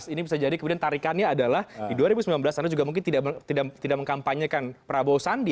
ini bisa jadi kemudian tarikannya adalah di dua ribu sembilan belas anda juga mungkin tidak mengkampanyekan prabowo sandi